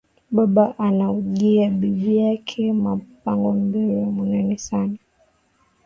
Baba anaujiya bibi yake ma mpango mbiri ya munene sana